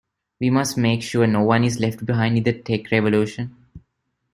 We must make sure no one is left behind in the tech revolution.